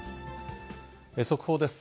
速報です。